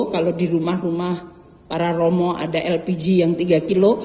kalau di rumah rumah para romo ada lpg yang tiga kilo